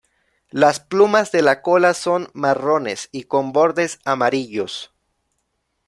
Las plumas de la cola son marrones y con bordes amarillos.